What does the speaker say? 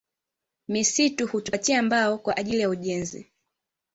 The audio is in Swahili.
Misitu hutupatia mbao kwaajili ya ujenzi